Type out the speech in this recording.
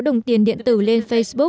đồng tiền điện tử lên facebook